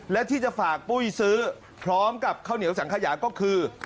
และที่จะฝากปุ้ยซื้อพร้อมกับข้าวเหนียวสังขยาก็คือ